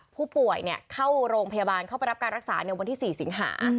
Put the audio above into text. ผู้ป่วยเข้าโรงพยาบาลเข้าไปรับการรักษาในวันที่๔สิงหา